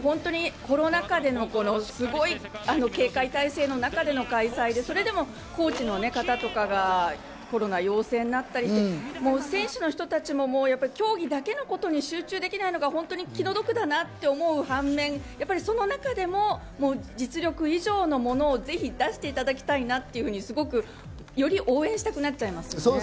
コロナ禍でのすごい警戒態勢の中での開催で、コーチの方とかがコロナ陽性になったりして選手の人たちも競技だけのことに集中できないのが本当に気の毒だなと思う反面、その中でも実力以上のものをぜひ出していただきたいなというふうに、より応援したくなっちゃいますね。